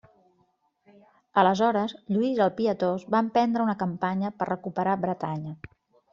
Aleshores, Lluís el Pietós va emprendre una campanya per recuperar Bretanya.